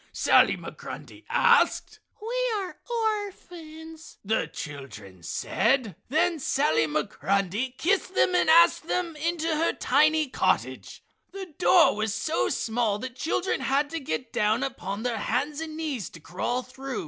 Sally Migrundy asked. "We are orphans," the children said. Then Sally Migrundy kissed them and asked them into her tiny cottage. The door was so small the children had to get down upon their hands and knees to crawl through.